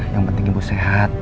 yang penting ibu sehat